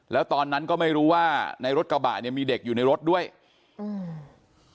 แล้วตอนนั้นก็ไม่รู้ว่าในรถกระบะเนี้ยมีเด็กอยู่ในรถด้วยอืม